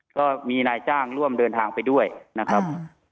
ก็มีนายจ้างร่วมเดินทางไปด้วยนะครับ